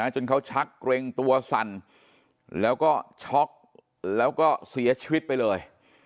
จนเขาชักเกร็งตัวสั่นแล้วก็ช็อกแล้วก็เสียชีวิตไปเลย